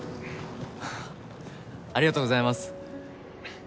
ありがとうございます！